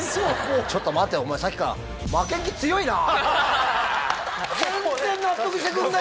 ちょっと待てよ、お前、さっきから、負けん気強いな。